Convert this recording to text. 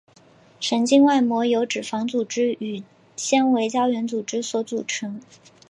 神经外膜由脂肪组织与纤维胶原组织所组成。